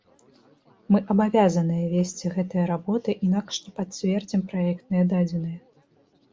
Мы абавязаныя весці гэтыя работы, інакш не пацвердзім праектныя дадзеныя.